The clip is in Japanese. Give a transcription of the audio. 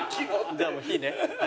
じゃあもう「ひ」ね。